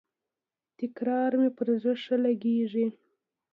تکرار مي پر زړه ښه لګیږي.